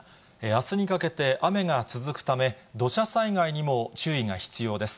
あすにかけて雨が続くため、土砂災害にも注意が必要です。